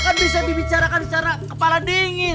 kan bisa dibicarakan secara kepala dingin